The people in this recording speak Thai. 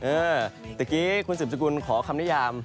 เออเดี๋ยวกี้คุณสิบสกุลขอคำนิยาม